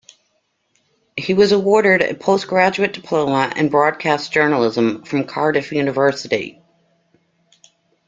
He was awarded a post-graduate diploma in broadcast journalism from Cardiff University.